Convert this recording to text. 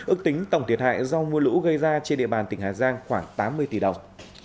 ước tính tổng thiệt hại do mưa lũ gây ra trên địa bàn tỉnh hà giang khoảng tám mươi tỷ đồng